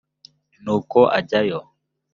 nuko ajyayo